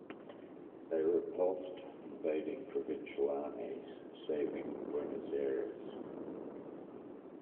They repulsed invading provincial armies, saving Buenos Aires.